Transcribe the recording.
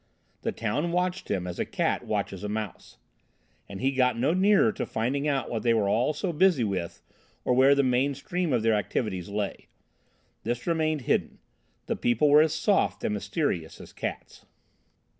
The town watched him as a cat watches a mouse. And he got no nearer to finding out what they were all so busy with or where the main stream of their activities lay. This remained hidden. The people were as soft and mysterious as cats.